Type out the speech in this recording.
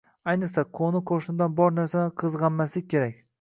Ayniqsa, qo‘ni-qo‘shnidan bor narsani qizg‘anmaslik kerak